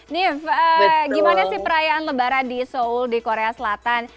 nih gimana sih perayaan lebaran di seoul di korea selatan